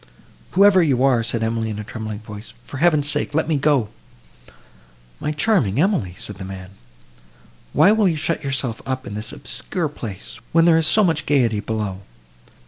"Whoever you are," said Emily, in a trembling voice, "for heaven's sake let me go!" "My charming Emily," said the man, "why will you shut yourself up in this obscure place, when there is so much gaiety below?